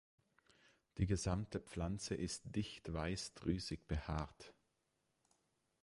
Die gesamte Pflanze ist dicht weiß drüsig behaart.